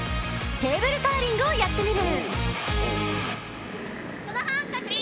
テーブルカーリングをやってみる。